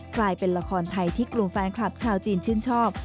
กลายเป็นละครไทยที่กลุ่มแฟนคลับชาวจีนชื่นชอบ